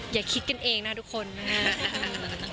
อย่าคิดกันเองนะทุกคนนะครับ